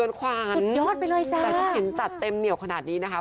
แต่เขาเห็นจัดเต็มเหนี่ยวขนาดนี้นะคะ